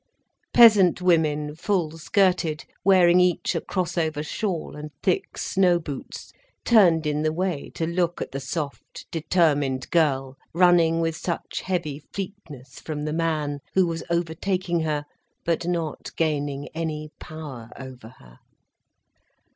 Peasant women, full skirted, wearing each a cross over shawl, and thick snow boots, turned in the way to look at the soft, determined girl running with such heavy fleetness from the man, who was overtaking her, but not gaining any power over her.